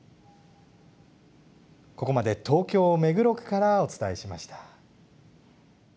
ここまで東京・目黒区からお伝えしました。